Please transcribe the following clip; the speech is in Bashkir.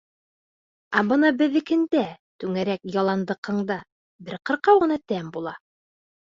Ә бына беҙҙекеңдә, Түңәрәк яландыҡыңда, бер ҡырҡыу ғына тәм була.